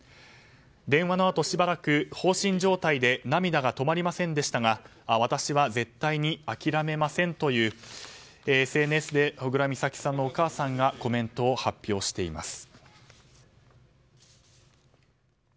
電話のあと、しばらく放心状態で涙が止まりませんでしたが私は絶対に諦めませんというＳＮＳで小倉美咲さんのお母さんがコメントを発表しています。